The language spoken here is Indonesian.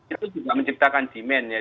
itu juga menciptakan demand ya